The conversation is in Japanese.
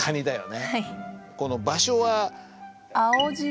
この場所は？